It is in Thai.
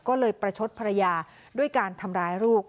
ก็เลยประชดภรรยาด้วยการทำร้ายลูก